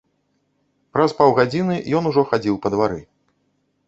Праз паўгадзіны ён ужо хадзіў па двары.